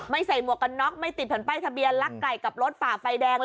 ไม่ใส่หมวกกันน็กไม่ติดภัณฑ์ใบทะเบียนลักไก่กับรถฝ่าไฟแดง